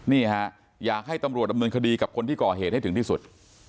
นี่ฮะอยากให้ตำรวจดำเนินคดีกับคนที่ก่อเหตุให้ถึงที่สุด